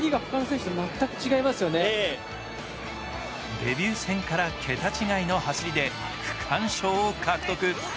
デビュー戦から桁違いの走りで区間賞を獲得。